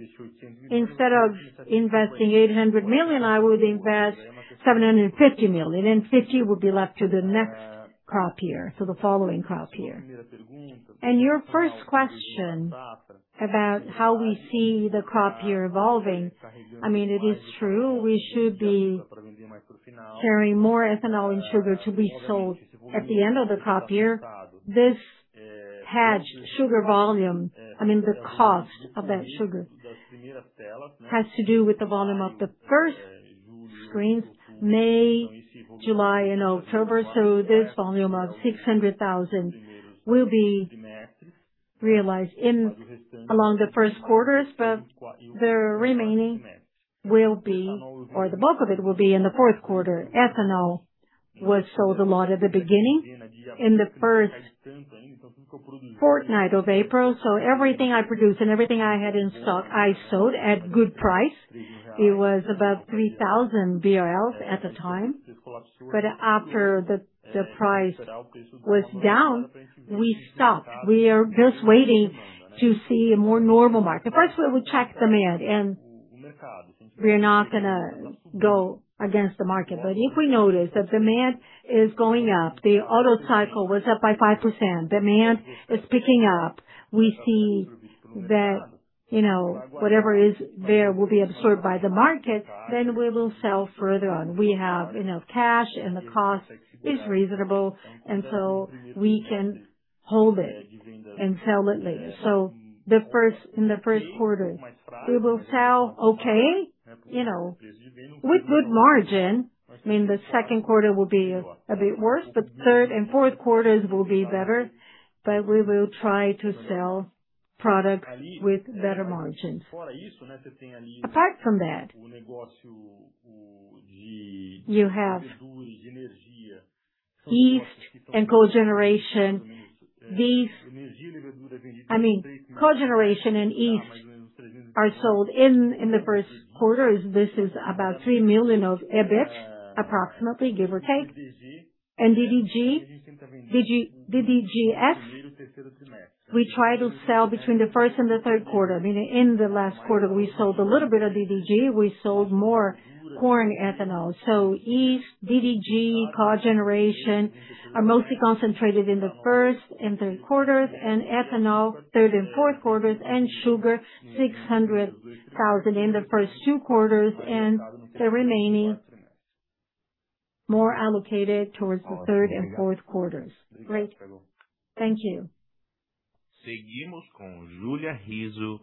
instead of investing 800 million, I would invest 750 million. 50 will be left to the next crop year, so the following crop year. Your first question about how we see the crop year evolving, it is true, we should be carrying more ethanol and sugar to be sold at the end of the crop year. This hedged sugar volume, the cost of that sugar, has to do with the volume of the first screens, May, July, and October. This volume of 600,000 will be realized along the first quarters, but the remaining, or the bulk of it, will be in the Q4. Ethanol was sold a lot at the beginning, in the first fortnight of April. Everything I produced and everything I had in stock; I sold at good price. It was above 3,000 BRL at the time. After the price was down, we stopped. We are just waiting to see a more normal market. First, we check demand, and we're not going to go against the market. If we notice that demand is going up, the Otto cycle was up by 5%, demand is picking up, we see that whatever is there will be absorbed by the market, then we will sell further on. We have enough cash and the cost is reasonable. We can hold it and sell it later. In the first quarter, we will sell okay, with good margin. The Q2 will be a bit worse, but third and Q4 will be better. We will try to sell products with better margins. Apart from that, you have yeast and cogeneration. Cogeneration and yeast are sold in the Q1. This is about 3 million of EBIT approximately, give or take. DDGS, we try to sell between the Q1 and Q3. In the last quarter, we sold a little bit of DDGS. We sold more corn ethanol. Yeast, DDGS, cogeneration is mostly concentrated in the Q1 and Q3, and ethanol, Q3 and Q4, and sugar, 600,000 in the first two quarters and the remaining more allocated towards the third and fourth quarters. Great. Thank you.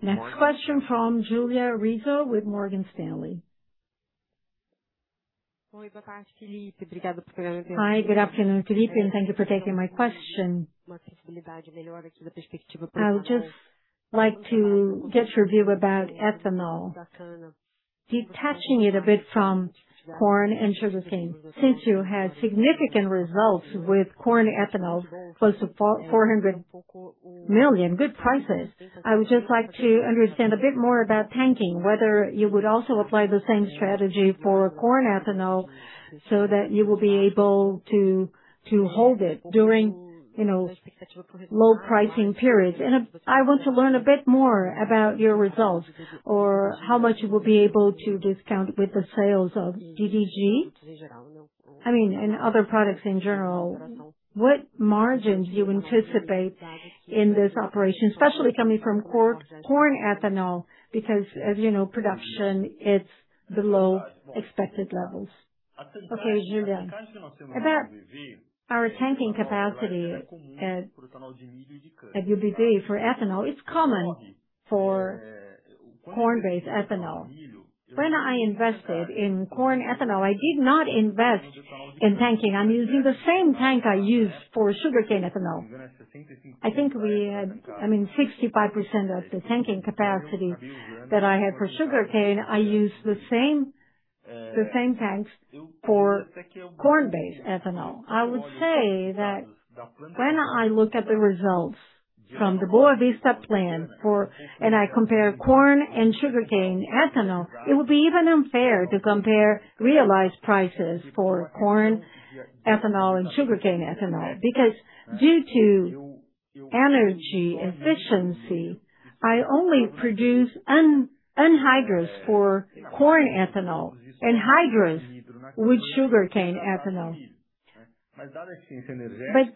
Next question from Julia Rizzo with Morgan Stanley.. Hi, good afternoon, Felipe, and thank you for taking my question. I would just like to get your view about ethanol, detaching it a bit from corn and sugarcane. Since you had significant results with corn ethanol, close to 400 million, good prices. I would just like to understand a bit more about tanking, whether you would also apply the same strategy for corn ethanol so that you will be able to hold it during low pricing periods. I want to learn a bit more about your results, or how much you will be able to discount with the sales of DDG and other products in general. What margins you anticipate in this operation, especially coming from corn ethanol, because, as you know, production is below expected levels. Okay, Julia. About our tanking capacity at UBV for ethanol is common for corn-based ethanol. When I invested in corn ethanol, I did not invest in tanking. I'm using the same tank I used for sugarcane ethanol. I think we had 65% of the tanking capacity that I had for sugarcane. I used the same tanks for corn-based ethanol. I would say that when I look at the results from the Boa Vista Mill and I compare corn and sugarcane ethanol, it would be even unfair to compare realized prices for corn ethanol and sugarcane ethanol, because due to energy efficiency, I only produce anhydrous for corn ethanol, and hydrous with sugarcane ethanol.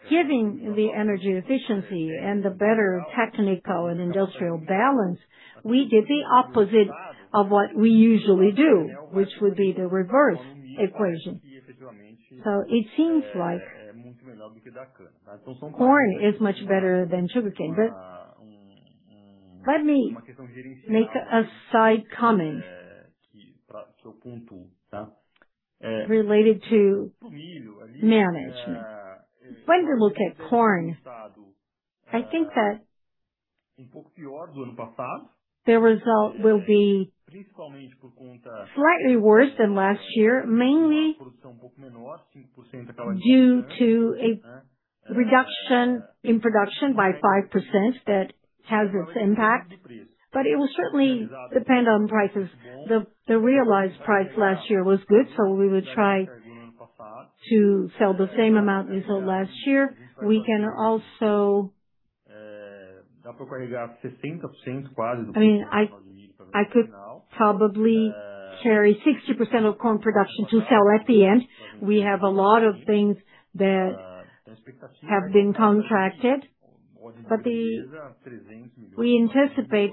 Given the energy efficiency and the better technical and industrial balance, we did the opposite of what we usually do, which would be the reverse equation. It seems like corn is much better than sugarcane. Let me make a side comment related to management. When we look at corn, I think that the result will be slightly worse than last year, mainly due to a reduction in production by 5% that has its impact. It will certainly depend on prices. The realized price last year was good, so we will try to sell the same amount we sold last year. I could probably carry 60% of corn production to sell at the end. We have a lot of things that have been contracted. We anticipate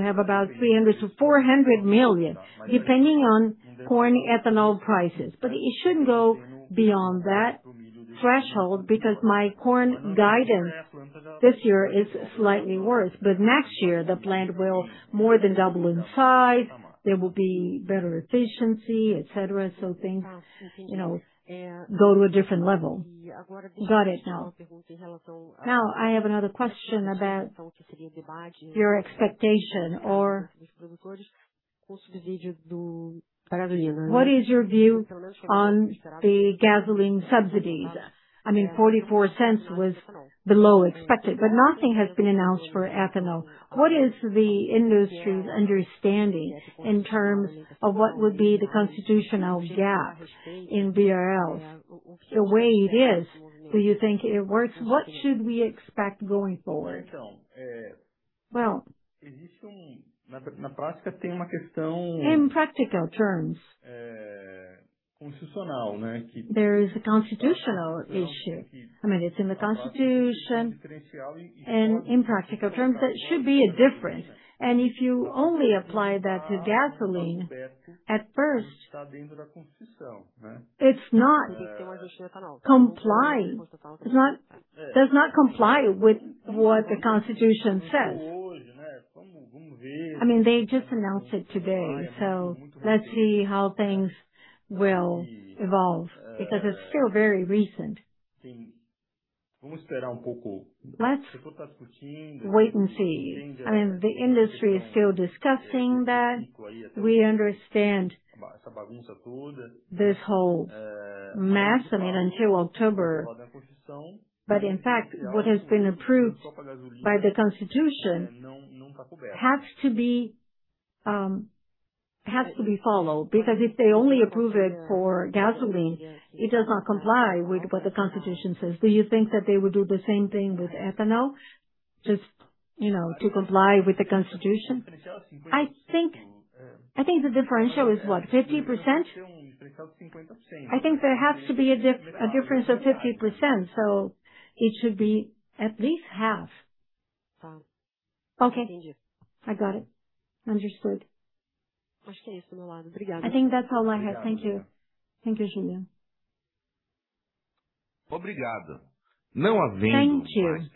having about 300-400 million, depending on corn ethanol prices. It shouldn't go beyond that threshold because my corn guidance this year is slightly worse. Next year the plant will more than double in size. There will be better efficiency, et cetera. Things go to a different level. Got it now. I have another question about your expectation, or what is your view on the gasoline subsidies? I mean, 0.44 was below expected, but nothing has been announced for ethanol. What is the industry's understanding in terms of what would be the constitutional gap in BRLs? The way it is, do you think it works? What should we expect going forward? Well, in practical terms, there is a constitutional issue. It's in the Constitution, in practical terms, that should be a difference. If you only apply that to gasoline at first, it does not comply with what the Constitution says. They just announced it today, let's see how things will evolve, because it's still very recent. Let's wait and see. The industry is still discussing that. We understand this whole mess, I mean, until October. In fact, what has been approved by the Constitution has to be followed, because if they only approve it for gasoline, it does not comply with what the Constitution says. Do you think that they would do the same thing with ethanol, just to comply with the Constitution? The differential is what, 50%? There has to be a difference of 50%, so it should be at least half. Okay, I got it. Understood. That's all I have. Thank you. Thank you, Julia. Thank you.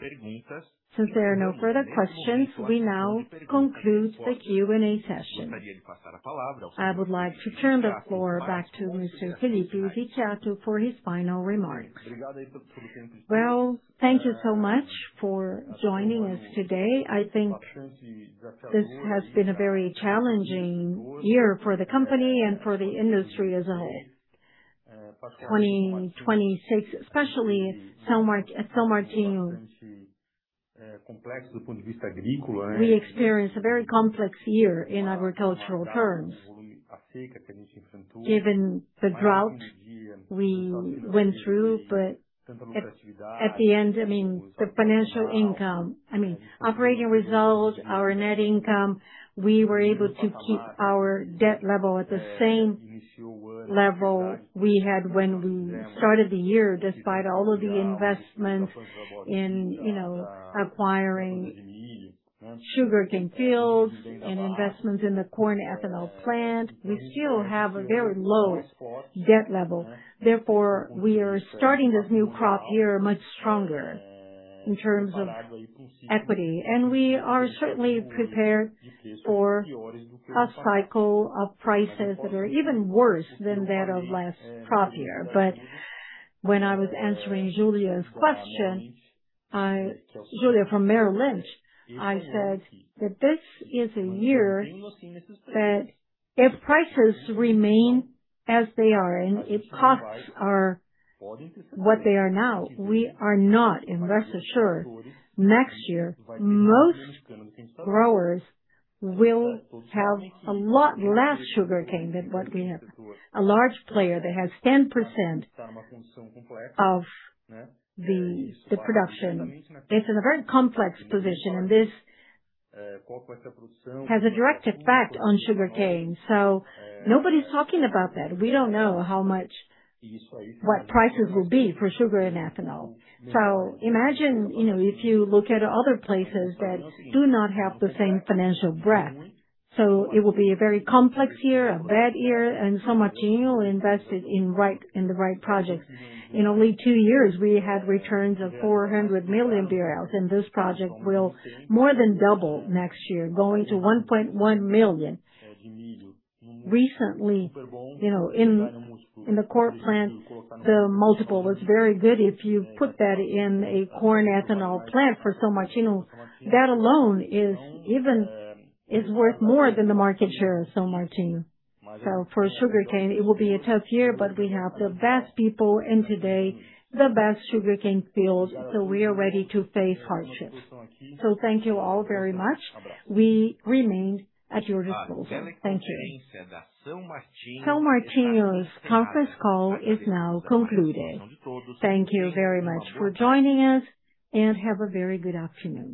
Since there are no further questions, we now conclude the Q&A session. I would like to turn the floor back to Mr. Felipe Vicchiato for his final remarks. Thank you so much for joining us today. This has been a very challenging year for the company and for the industry as a whole. 2026, especially São Martinho. We experienced a very complex year in agricultural terms, given the drought we went through. At the end, the financial income, operating results, our net income, we were able to keep our debt level at the same level we had when we started the year, despite all of the investments in acquiring sugarcane fields and investments in the corn ethanol plant. We still have a very low debt level. Therefore, we are starting this new crop year much stronger in terms of equity. We are certainly prepared for a cycle of prices that are even worse than that of last crop year. When I was answering Julia's question, Julia from Bank of America, I said that this is a year that if prices remain as they are and if costs are what they are now, we are not investor-assured. Next year, most growers will have a lot less sugarcane than what we have. A large player that has 10% of the production is in a very complex position, and this has a direct effect on sugarcane. Nobody's talking about that. We don't know what prices will be for sugar and ethanol. Imagine if you look at other places that do not have the same financial breadth. It will be a very complex year, a bad year, and São Martinho invested in the right projects. In only two years, we had returns of 400 million BRL, and this project will more than double next year, going to 1.1 million. Recently, in the corn plant, the multiple was very good. If you put that in a corn ethanol plant for São Martinho, that alone is worth more than the market share of São Martinho. For sugarcane, it will be a tough year, but we have the best people, and today, the best sugarcane fields, so we are ready to face hardships. Thank you all very much. We remain at your disposal. Thank you.